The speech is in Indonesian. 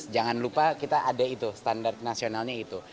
jangan lupa kita ada itu standar nasionalnya itu